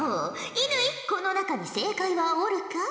乾この中に正解はおるか？